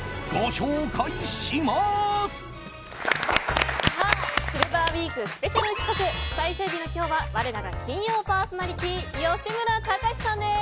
シルバーウィークスペシャル企画最終日の今日は我らが金曜パーソナリティー吉村崇さんです。